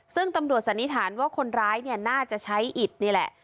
ซึ่งตำรวจสันนิษฐานว่าคนร้ายเนี่ยน่าจะใช้อิดนี่แหละ